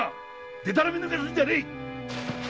でたらめぬかすんじゃねえ！